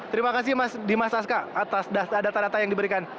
terima kasih mas dimas aska atas data data yang diberikan